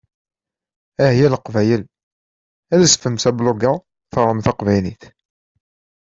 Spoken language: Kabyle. Ahya Leqbayel! Rezfem s ablug-a teɣrem taqbaylit.